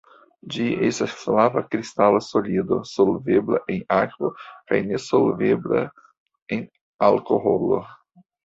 Ĝi estas flava kristala solido, solvebla en akvo kaj nesolvebla en alkoholo.